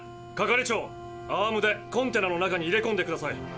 係長アームでコンテナの中に入れこんでください。